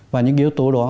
và những yếu tố đó